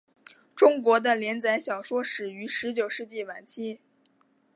中国的连载小说始于十九世纪晚期。